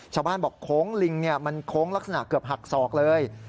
ชาวบ้านบอกโค้งลิงมันโค้งลักษณะเกือบหักศอกเลย